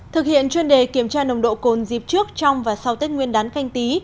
thực hiện chuyên đề kiểm tra nồng độ cồn dịp trước trong và sau tết nguyên đán canh tí